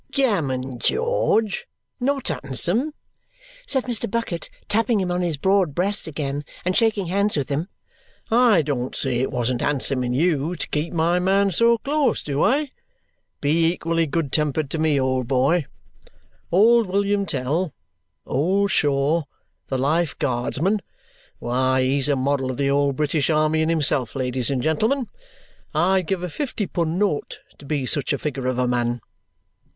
"Gammon, George! Not handsome?" said Mr. Bucket, tapping him on his broad breast again and shaking hands with him. "I don't say it wasn't handsome in you to keep my man so close, do I? Be equally good tempered to me, old boy! Old William Tell, Old Shaw, the Life Guardsman! Why, he's a model of the whole British army in himself, ladies and gentlemen. I'd give a fifty pun' note to be such a figure of a man!"